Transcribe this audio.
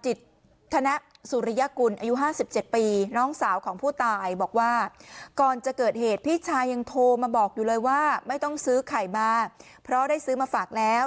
หรือว่าไม่ต้องซื้อไข่มาเพราะได้ซื้อมาฝากแล้ว